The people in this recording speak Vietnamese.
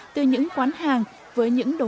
từ những quán hàng